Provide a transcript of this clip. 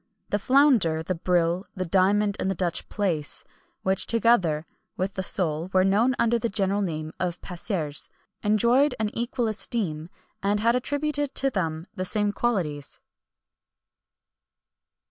[XXI 196] The flounder, the brill, the diamond and Dutch plaice, which, together with the sole, were known under the general name of passeres, enjoyed an equal esteem, and had attributed to them the same qualities.